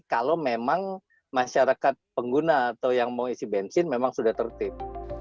kalau memang masyarakat pengguna atau yang mau isi bensin memang sudah tertib